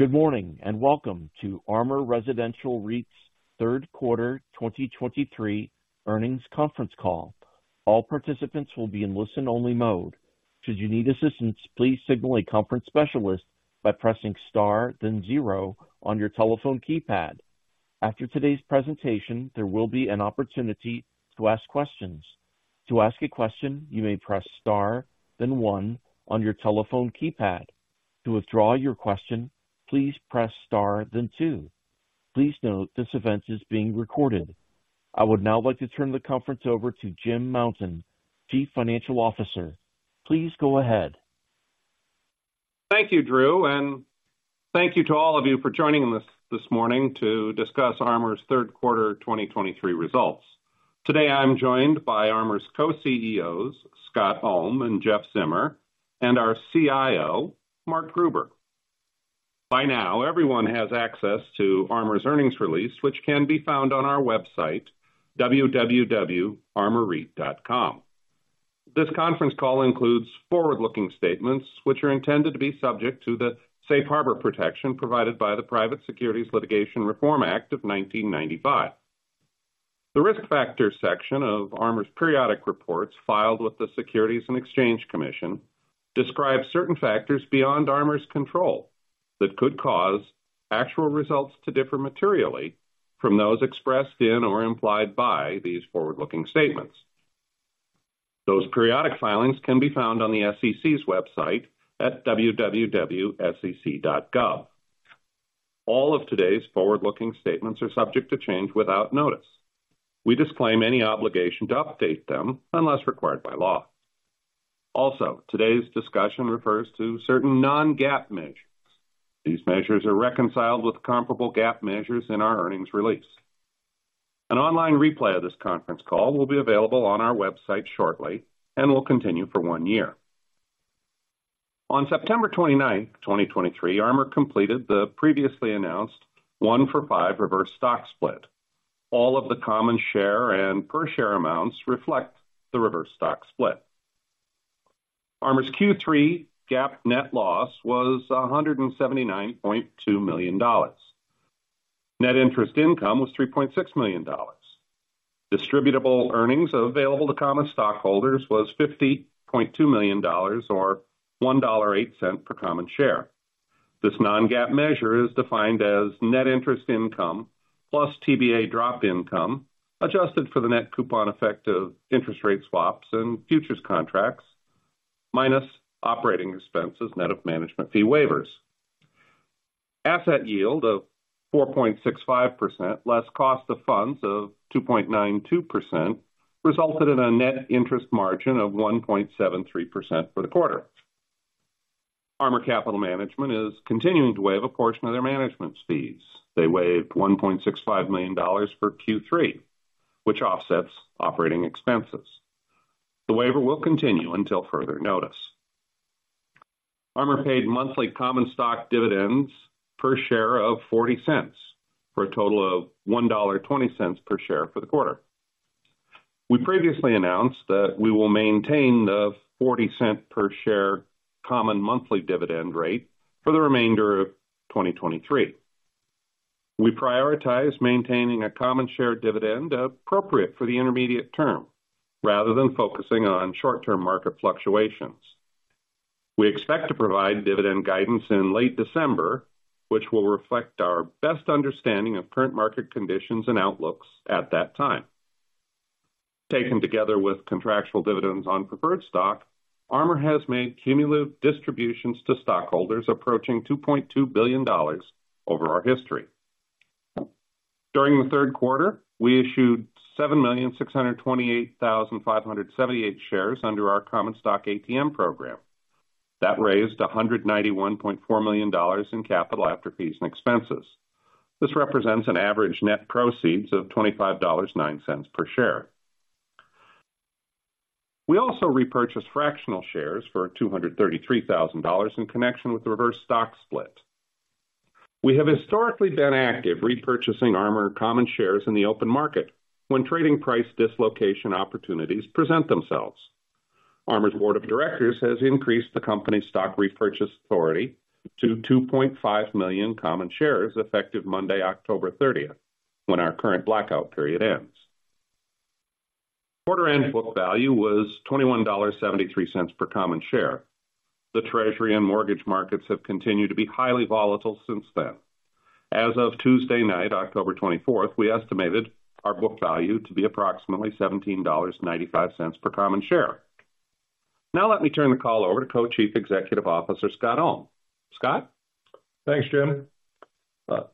Good morning, and welcome to ARMOUR Residential REIT's third quarter 2023 earnings conference call. All participants will be in listen-only mode. Should you need assistance, please signal a conference specialist by pressing star, then zero on your telephone keypad. After today's presentation, there will be an opportunity to ask questions. To ask a question, you may press star then one on your telephone keypad. To withdraw your question, please press star then two. Please note, this event is being recorded. I would now like to turn the conference over to James Mountain, Chief Financial Officer. Please go ahead. Thank you, Drew, and thank you to all of you for joining us this morning to discuss ARMOUR's third quarter 2023 results. Today, I'm joined by ARMOUR's co-CEOs, Scott Ulm and Jeff Zimmer, and our CIO, Mark Gruber. By now, everyone has access to ARMOUR's earnings release, which can be found on our website, www.armourreit.com. This conference call includes forward-looking statements, which are intended to be subject to the Safe Harbor protection provided by the Private Securities Litigation Reform Act of 1995. The Risk Factors section of ARMOUR's periodic reports, filed with the Securities and Exchange Commission, describes certain factors beyond ARMOUR's control that could cause actual results to differ materially from those expressed in or implied by these forward-looking statements. Those periodic filings can be found on the SEC's website at www.sec.gov. All of today's forward-looking statements are subject to change without notice. We disclaim any obligation to update them unless required by law. Also, today's discussion refers to certain non-GAAP measures. These measures are reconciled with comparable GAAP measures in our earnings release. An online replay of this conference call will be available on our website shortly and will continue for one year. On September 29, 2023, ARMOUR completed the previously announced One-For-Five Reverse Stock Split. All of the common share and per share amounts reflect the reverse stock split. ARMOUR's Q3 GAAP net loss was $179.2 million. Net interest income was $3.6 million. Distributable earnings available to common stockholders was $50.2 million, or $1.08 per common share. This non-GAAP measure is defined as net interest income, plus TBA drop income, adjusted for the net coupon effect of interest rate swaps and futures contracts, minus operating expenses, net of management fee waivers. Asset yield of 4.65%, less cost of funds of 2.92%, resulted in a net interest margin of 1.73% for the quarter. ARMOUR Capital Management is continuing to waive a portion of their management fees. They waived $1.65 million for Q3, which offsets operating expenses. The waiver will continue until further notice. ARMOUR paid monthly common stock dividends per share of $0.40, for a total of $1.20 per share for the quarter. We previously announced that we will maintain the $0.40 per share common monthly dividend rate for the remainder of 2023. We prioritize maintaining a common share dividend appropriate for the intermediate term rather than focusing on short-term market fluctuations. We expect to provide dividend guidance in late December, which will reflect our best understanding of current market conditions and outlooks at that time. Taken together with contractual dividends on preferred stock, ARMOUR has made cumulative distributions to stockholders approaching $2.2 billion over our history. During the third quarter, we issued 7,628,578 shares under our common stock ATM program. That raised $191.4 million in capital after fees and expenses. This represents an average net proceeds of $25.09 per share. We also repurchased fractional shares for $233,000 in connection with the reverse stock split. We have historically been active repurchasing ARMOUR common shares in the open market when trading price dislocation opportunities present themselves. ARMOUR's Board of Directors has increased the company's stock repurchase authority to 2.5 million common shares, effective Monday, October thirtieth, when our current blackout period ends. Quarter-end book value was $21.73 per common share. The Treasury and mortgage markets have continued to be highly volatile since then. As of Tuesday night, October twenty-fourth, we estimated our book value to be approximately $17.95 per common share. Now let me turn the call over to Co-Chief Executive Officer, Scott Ulm. Scott? Thanks, James.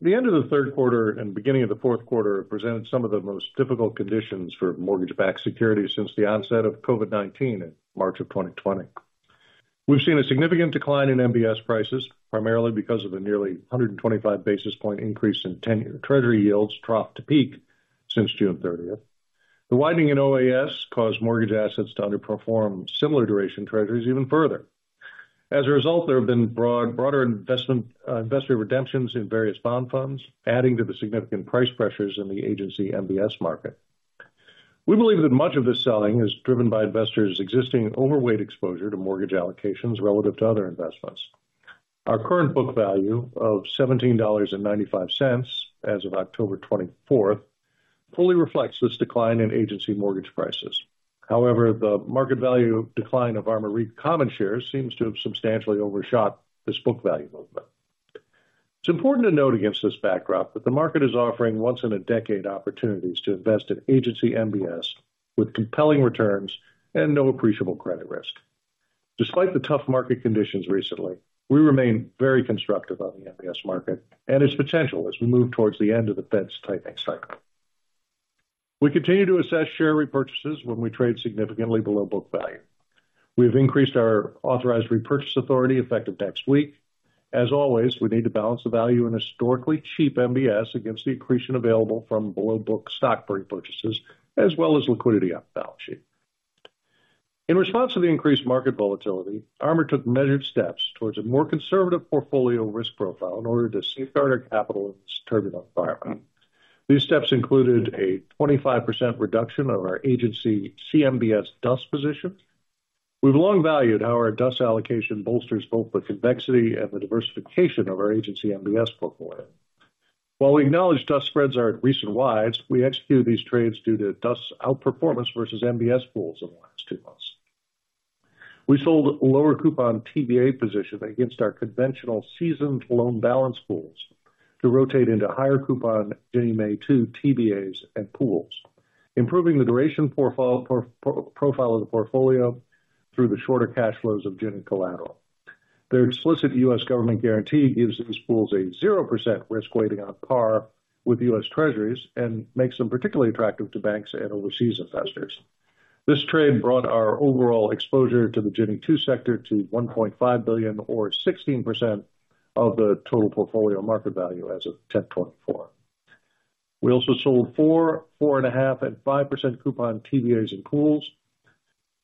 The end of the third quarter and beginning of the fourth quarter presented some of the most difficult conditions for mortgage-backed securities since the onset of COVID-19 in March of 2020. We've seen a significant decline in MBS prices, primarily because of the nearly 125 basis point increase in 10-year Treasury yields trough to peak since June 30. The widening in OAS caused mortgage assets to underperform similar duration Treasuries even further. As a result, there have been broad, broader investment, investor redemptions in various bond funds, adding to the significant price pressures in the agency MBS market... We believe that much of this selling is driven by investors' existing overweight exposure to mortgage allocations relative to other investments. Our current book value of $17.95 as of October 24, fully reflects this decline in agency mortgage prices. However, the market value decline of ARMOUR REIT common shares seems to have substantially overshot this book value movement. It's important to note against this backdrop, that the market is offering once-in-a-decade opportunities to invest in agency MBS with compelling returns and no appreciable credit risk. Despite the tough market conditions recently, we remain very constructive on the MBS market and its potential as we move towards the end of the Fed's tightening cycle. We continue to assess share repurchases when we trade significantly below book value. We've increased our authorized repurchase authority effective next week. As always, we need to balance the value in historically cheap MBS against the accretion available from below-book stock repurchases, as well as liquidity on the balance sheet. In response to the increased market volatility, ARMOUR took measured steps towards a more conservative portfolio risk profile in order to safeguard our capital in this turbulent environment. These steps included a 25% reduction of our Agency CMBS DUS position. We've long valued how our DUS allocation bolsters both the convexity and the diversification of our Agency MBS portfolio. While we acknowledge DUS spreads are at recent wides, we execute these trades due to DUS outperformance versus MBS pools in the last two months. We sold lower coupon TBA position against our conventional seasoned loan balance pools to rotate into higher coupon Ginnie Mae II TBAs and pools, improving the duration profile of the portfolio through the shorter cash flows of Ginnie collateral. Their explicit U.S. government guarantee gives these pools a 0% risk weighting on par with U.S. Treasuries and makes them particularly attractive to banks and overseas investors. This trade brought our overall exposure to the Ginnie Mae II sector to $1.5 billion or 16% of the total portfolio market value as of 10/24/2024. We also sold 4%, 4.5%, and 5% coupon TBAs and pools.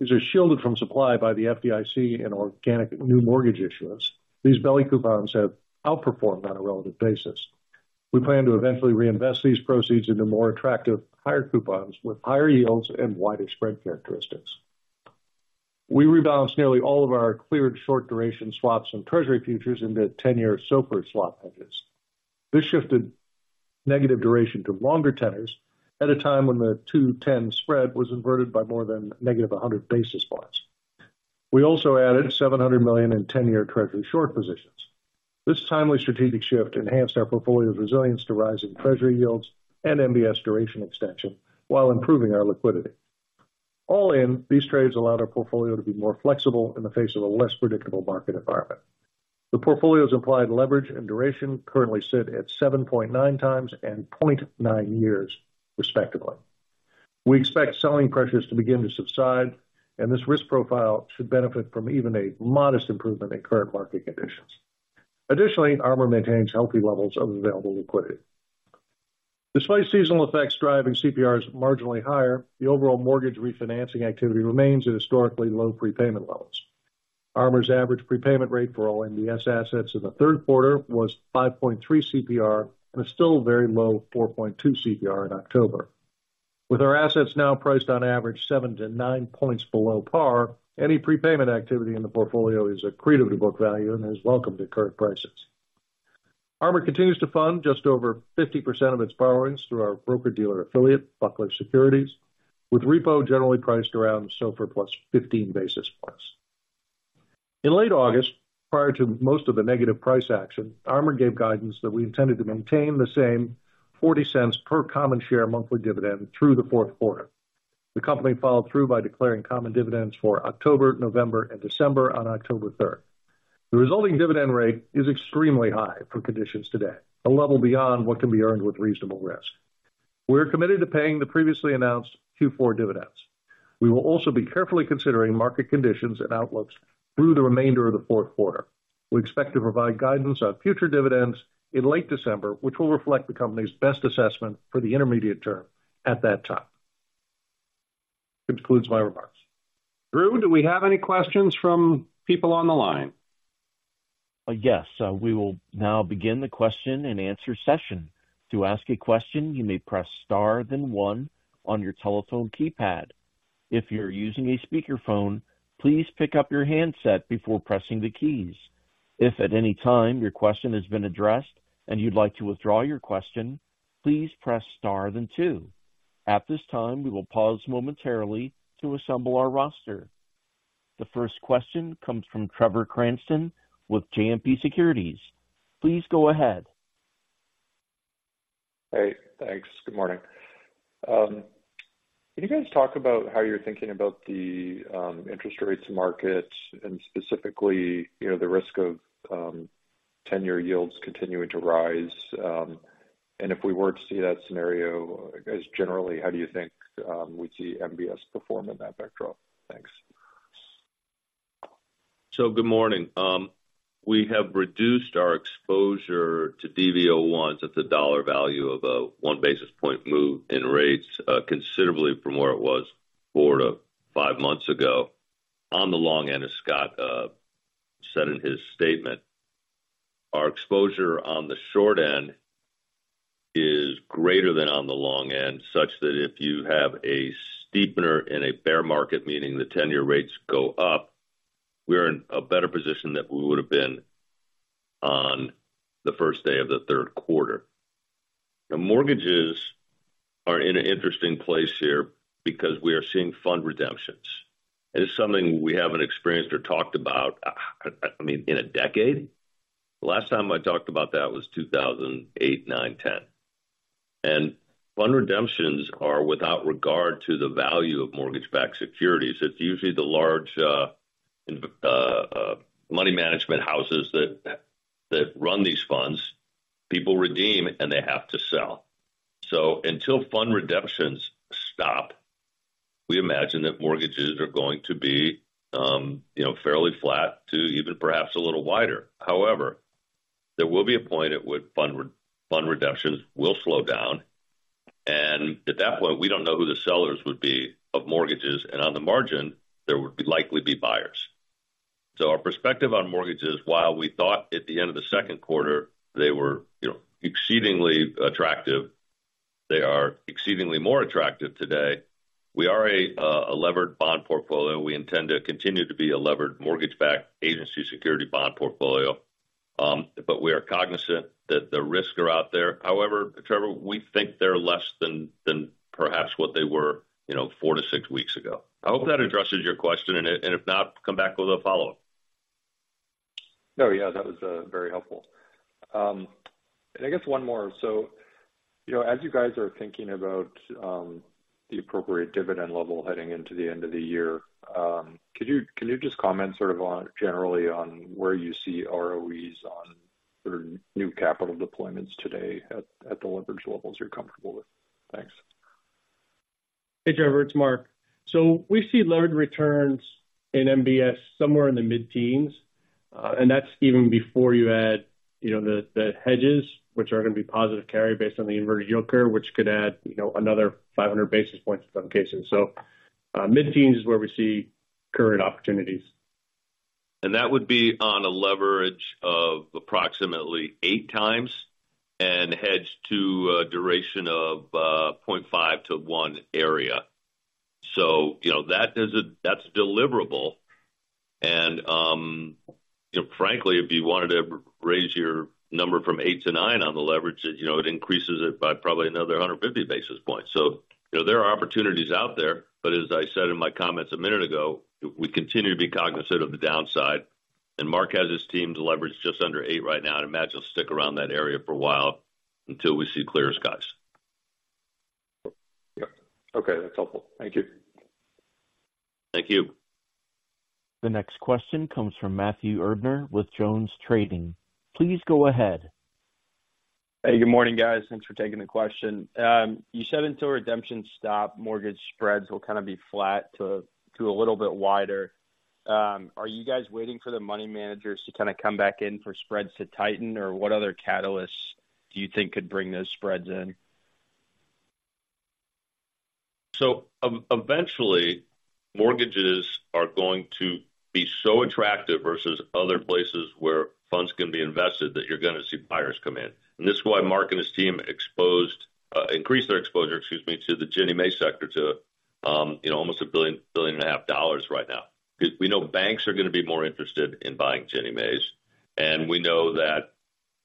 These are shielded from supply by the FDIC and organic new mortgage issuers. These belly coupons have outperformed on a relative basis. We plan to eventually reinvest these proceeds into more attractive, higher coupons with higher yields and wider spread characteristics. We rebalanced nearly all of our cleared short duration swaps and Treasury futures into 10-year SOFR swap hedges. This shifted negative duration to longer tenors at a time when the 2-10 spread was inverted by more than negative 100 basis points. We also added $700 million in ten-year Treasury short positions. This timely strategic shift enhanced our portfolio's resilience to rising Treasury yields and MBS duration extension, while improving our liquidity. All in, these trades allowed our portfolio to be more flexible in the face of a less predictable market environment. The portfolio's implied leverage and duration currently sit at 7.9x and 0.9 years, respectively. We expect selling pressures to begin to subside, and this risk profile should benefit from even a modest improvement in current market conditions. Additionally, ARMOUR maintains healthy levels of available liquidity. Despite seasonal effects driving CPRs marginally higher, the overall mortgage refinancing activity remains at historically low prepayment levels. ARMOUR's average prepayment rate for all MBS assets in the third quarter was 5.3 CPR, and is still a very low 4.2 CPR in October. With our assets now priced on average 7-9 points below par, any prepayment activity in the portfolio is accretive to book value and is welcome to current prices. ARMOUR continues to fund just over 50% of its borrowings through our broker-dealer affiliate, BUCKLER Securities, with repo generally priced around SOFR +15 basis points. In late August, prior to most of the negative price action, ARMOUR gave guidance that we intended to maintain the same $0.40 per common share monthly dividend through the fourth quarter. The company followed through by declaring common dividends for October, November, and December on October 3rd. The resulting dividend rate is extremely high for conditions today, a level beyond what can be earned with reasonable risk. We're committed to paying the previously announced Q4 dividends. We will also be carefully considering market conditions and outlooks through the remainder of the fourth quarter. We expect to provide guidance on future dividends in late December, which will reflect the company's best assessment for the intermediate term at that time. This concludes my remarks. Drew, do we have any questions from people on the line? Yes. We will now begin the question and answer session. To ask a question, you may press star, then one on your telephone keypad. If you're using a speakerphone, please pick up your handset before pressing the keys. If at any time your question has been addressed and you'd like to withdraw your question, please press star, then two. At this time, we will pause momentarily to assemble our roster. The first question comes from Trevor Cranston with JMP Securities. Please go ahead. Hey, thanks. Good morning. Can you guys talk about how you're thinking about the interest rates market and specifically, you know, the risk of 10-year yields continuing to rise? And if we were to see that scenario, I guess, generally, how do you think we'd see MBS perform in that backdrop? Thanks. Good morning. We have reduced our exposure to DV01 at the dollar value of a one basis point move in rates considerably from where it was four to five months ago. On the long end, as Scott said in his statement- Our exposure on the short end is greater than on the long end, such that if you have a steepener in a bear market, meaning the 10-year rates go up, we are in a better position than we would have been on the first day of the third quarter. Now, mortgages are in an interesting place here because we are seeing fund redemptions. It is something we haven't experienced or talked about, I mean, in a decade. The last time I talked about that was 2008, 2009, 2010. And fund redemptions are without regard to the value of mortgage-backed securities. It's usually the large money management houses that run these funds. People redeem, and they have to sell. So until fund redemptions stop, we imagine that mortgages are going to be, you know, fairly flat to even perhaps a little wider. However, there will be a point at which fund redemptions will slow down, and at that point, we don't know who the sellers would be of mortgages, and on the margin, there would likely be buyers. So our perspective on mortgages, while we thought at the end of the second quarter, they were, you know, exceedingly attractive, they are exceedingly more attractive today. We are a levered bond portfolio. We intend to continue to be a levered mortgage-backed agency security bond portfolio, but we are cognizant that the risks are out there. However, Trevor, we think they're less than what they were, you know, 4-6 weeks ago. I hope that addresses your question, and if not, come back with a follow-up. No, yeah, that was very helpful. And I guess one more. So, you know, as you guys are thinking about the appropriate dividend level heading into the end of the year, could you, could you just comment sort of on, generally on where you see ROEs on sort of new capital deployments today at, at the leverage levels you're comfortable with? Thanks. Hey, Trevor, it's Mark. So we see levered returns in MBS somewhere in the mid-teens, and that's even before you add, you know, the hedges, which are going to be positive carry based on the inverted yield curve, which could add, you know, another 500 basis points in some cases. So, mid-teens is where we see current opportunities. That would be on a leverage of approximately 8x and hedged to a duration of 0.5-1 area. So, you know, that's deliverable. You know, frankly, if you wanted to raise your number from 8-9 on the leverage, you know, it increases it by probably another 150 basis points. So, you know, there are opportunities out there, but as I said in my comments a minute ago, we continue to be cognizant of the downside, and Mark has his team to leverage just under 8 right now, and I imagine it'll stick around that area for a while until we see clearer skies. Yep. Okay, that's helpful. Thank you. Thank you. The next question comes from Matthew Erdner with JonesTrading. Please go ahead. Hey, good morning, guys. Thanks for taking the question. You said until redemptions stop, mortgage spreads will kind of be flat to a little bit wider. Are you guys waiting for the money managers to kind of come back in for spreads to tighten? Or what other catalysts do you think could bring those spreads in? Eventually, mortgages are going to be so attractive versus other places where funds can be invested, that you're going to see buyers come in. And this is why Mark and his team increased their exposure, excuse me, to the Ginnie Mae sector to, you know, almost $1 billion-$1.5 billion right now. Because we know banks are going to be more interested in buying Ginnie Mae's, and we know that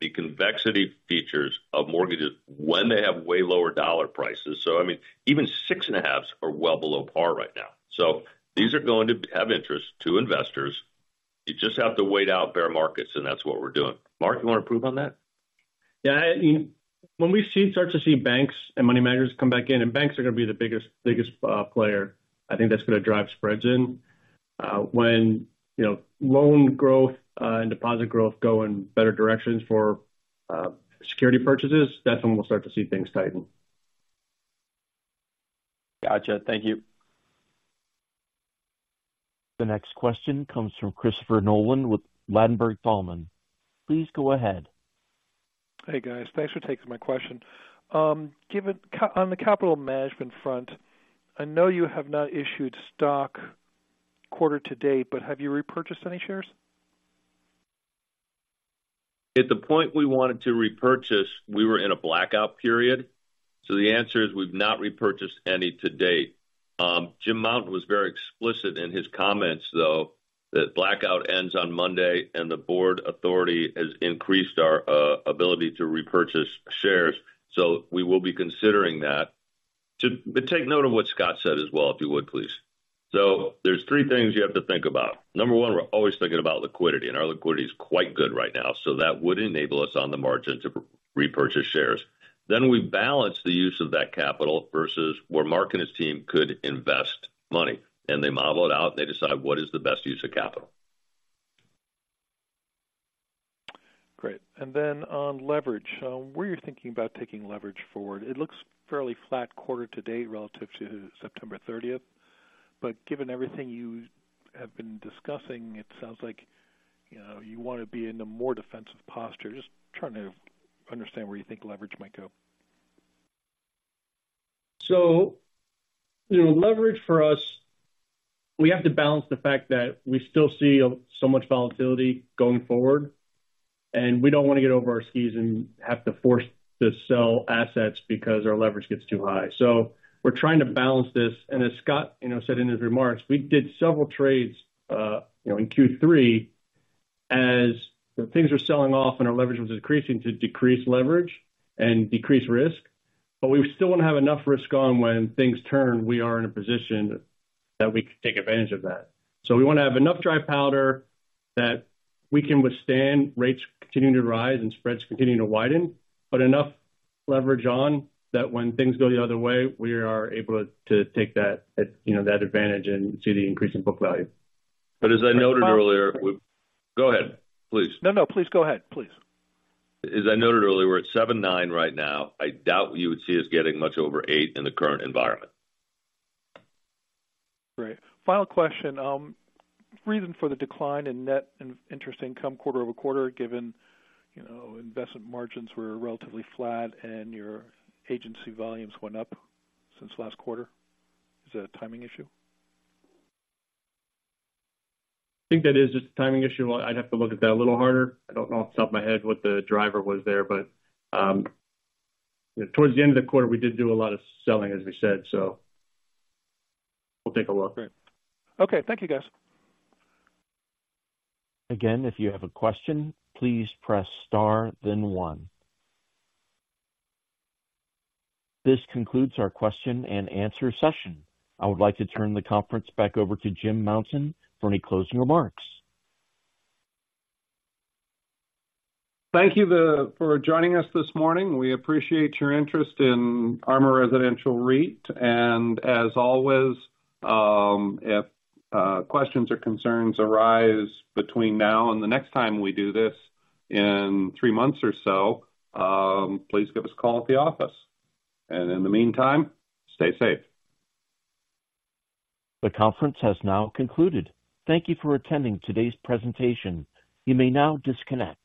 the convexity features of mortgages when they have way lower dollar prices. So I mean, even 6.5s are well below par right now. So these are going to have interest to investors. You just have to wait out bear markets, and that's what we're doing. Mark, you want to improve on that? Yeah, you, when we start to see banks and money managers come back in, and banks are going to be the biggest player, I think that's going to drive spreads in. When, you know, loan growth and deposit growth go in better directions for security purchases, that's when we'll start to see things tighten. Gotcha. Thank you. The next question comes from Christopher Nolan with Ladenburg Thalmann. Please go ahead. Hey, guys. Thanks for taking my question. Given on the capital management front, I know you have not issued stock quarter to date, but have you repurchased any shares? At the point we wanted to repurchase, we were in a blackout period. So the answer is, we've not repurchased any to date. James Mountain was very explicit in his comments, though, that blackout ends on Monday, and the Board Authority has increased our ability to repurchase shares. So we will be considering that. But take note of what Scott said as well, if you would, please. So there's three things you have to think about. Number one, we're always thinking about liquidity, and our liquidity is quite good right now, so that would enable us on the margin to repurchase shares. Then we balance the use of that capital versus where Mark and his team could invest money, and they model it out, and they decide what is the best use of capital. Great. And then on leverage, where are you thinking about taking leverage forward? It looks fairly flat quarter to date relative to September 30th. But given everything you have been discussing, it sounds like, you know, you want to be in a more defensive posture. Just trying to understand where you think leverage might go.... So, you know, leverage for us, we have to balance the fact that we still see so much volatility going forward, and we don't want to get over our skis and have to force to sell assets because our leverage gets too high. So we're trying to balance this. And as Scott, you know, said in his remarks, we did several trades, you know, in Q3 as things were selling off and our leverage was decreasing, to decrease leverage and decrease risk. But we still want to have enough risk on when things turn, we are in a position that we can take advantage of that. We want to have enough dry powder that we can withstand rates continuing to rise and spreads continuing to widen, but enough leverage on that when things go the other way, we are able to take that, you know, that advantage and see the increase in book value. But as I noted earlier. Go ahead, please. No, no, please go ahead. Please. As I noted earlier, we're at 7.9 right now. I doubt you would see us getting much over 8 in the current environment. Great. Final question. Reason for the decline in net interest income quarter-over-quarter, given, you know, investment margins were relatively flat and your agency volumes went up since last quarter. Is that a timing issue? I think that is just a timing issue. I'd have to look at that a little harder. I don't know off the top of my head what the driver was there, but, towards the end of the quarter, we did do a lot of selling, as we said, so we'll take a look. Great. Okay, thank you, guys. Again, if you have a question, please press star, then one. This concludes our question and answer session. I would like to turn the conference back over to James Mountain for any closing remarks. Thank you for joining us this morning. We appreciate your interest in ARMOUR Residential REIT. And as always, if questions or concerns arise between now and the next time we do this in three months or so, please give us a call at the office. And in the meantime, stay safe. The conference has now concluded. Thank you for attending today's presentation. You may now disconnect.